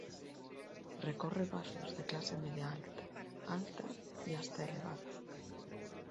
Recorre barrios de clase media-alta, alta y hasta elevada.